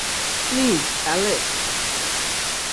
Please, Alex.